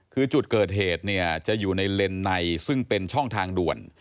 คือจุดเกิดเหตุเนี่ยจะอยู่ในเลนส์ในซึ่งเป็นช่องทางด่วน